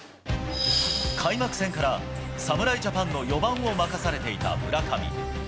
開幕戦から侍ジャパンの４番を任されていた村上。